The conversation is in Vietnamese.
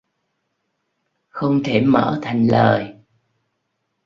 Không thể mở thành lời